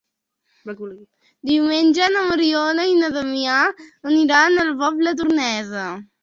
Diumenge na Mariona i na Damià aniran a la Pobla Tornesa.